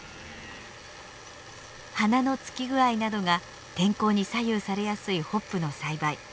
花のつき具合などが天候に左右されやすいホップの栽培。